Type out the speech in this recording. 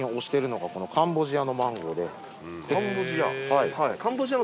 カンボジア。